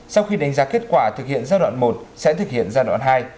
sau khi đánh giá kết quả thực hiện giai đoạn một sẽ thực hiện giai đoạn hai